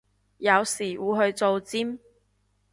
有時會去做尖